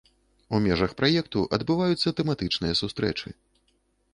У межах праекту адбываюцца тэматычныя сустрэчы.